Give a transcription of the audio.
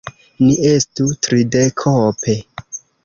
Ni estu tridekope.